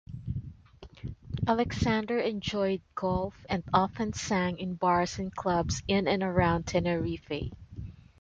Alexander enjoyed golf and often sang in bars and clubs in and around Tenerife.